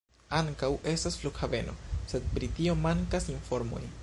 Ankaŭ estas flughaveno, sed pri tio mankas informoj.